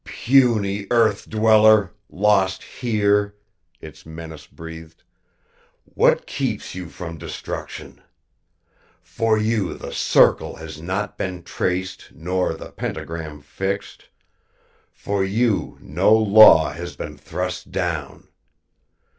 "Puny earth dweller, lost here," Its menace breathed, "what keeps you from destruction? For you the circle has not been traced nor the pentagram fixed, for you no law has been thrust down.